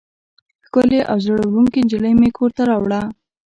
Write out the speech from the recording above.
ښکلې او زړه وړونکې نجلۍ مې کور ته راوړه.